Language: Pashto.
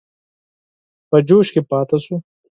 په جوش کې پاته شو.